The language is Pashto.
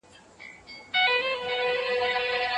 تل د رښتينولۍ او عدالت پلوي وکړئ.